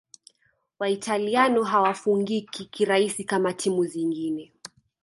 Waitaliano hawafungiki kirahisi kama timu zingine